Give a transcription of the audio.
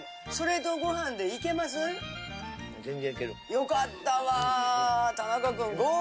よかったわ。